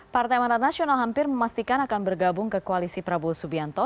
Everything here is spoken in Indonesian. partai manat nasional hampir memastikan akan bergabung ke koalisi prabowo subianto